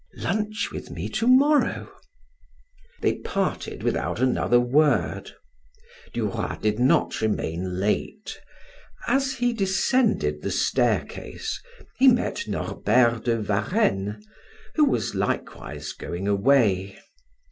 "Lunch with me to morrow." They parted without another word. Duroy did not remain late; as he descended the staircase, he met Norbert de Varenne, who was likewise going away.